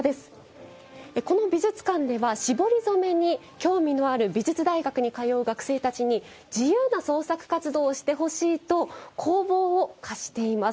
この美術館では絞り染めに興味のある美術大学の学生たちに自由な創作活動をしてほしいと工房を貸しています。